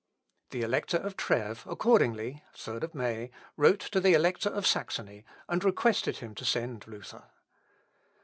The Elector of Trèves accordingly (3rd May) wrote to the Elector of Saxony, and requested him to send Luther.